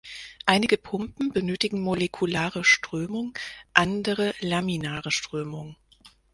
Einige Pumpen benötigen molekulare Strömung, andere laminare Strömung.